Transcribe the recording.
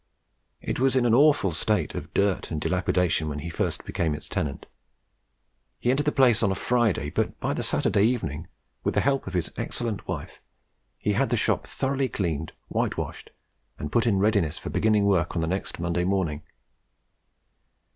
It was in an awful state of dirt and dilapidation when he became its tenant. He entered the place on a Friday, but by the Saturday evening, with the help of his excellent wife, he had the shop thoroughly cleaned, whitewashed, and put in readiness for beginning work on the next Monday morning.